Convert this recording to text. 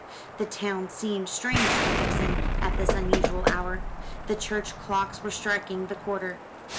The town seemed strange to Vixen at this unusual hour. The church clocks were striking the quarter.